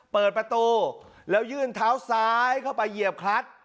เปิดประตูแล้วยื่นเท้าซ้ายเข้าไปเหยียบคลัด